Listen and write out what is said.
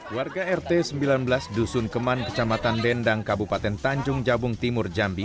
warga rt sembilan belas dusun keman kecamatan dendang kabupaten tanjung jabung timur jambi